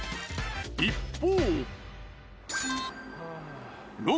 一方。